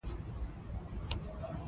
مشرقي زون اقليمي بدلون نه زيات متضرره دی.